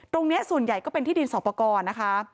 ตรงนี้ส่วนใหญ่ก็เป็นที่ดินสอบประกอบนะคะ